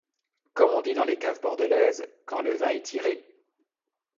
Comme on dit dans les caves bordelaises : quand le vin est tiré…